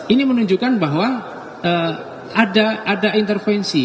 ini menunjukkan bahwa ada intervensi